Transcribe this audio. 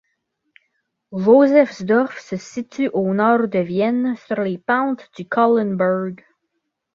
Josefsdorf se situe au nord de Vienne, sur les pentes du Kahlenberg.